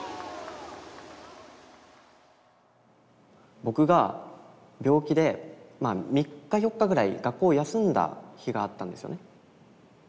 僕が病気で３４日ぐらい学校を休んだ日があったんですよね。